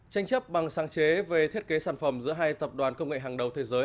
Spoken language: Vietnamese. tranh chấp bằng sáng chế về thiết kế sản phẩm giữa hai tập đoàn công nghệ hàng đầu thế giới